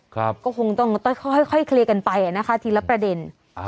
ก็คงต้องค่อยเคลียร์กันไปนะคะทีละประเด็น